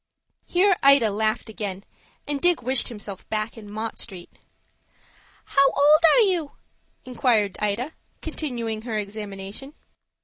Here Ida laughed again, and Dick wished himself back in Mott Street. "How old are you?" inquired Ida, continuing her examination.